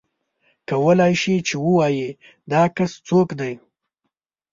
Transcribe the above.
کولای شې چې ووایې دا کس څوک دی.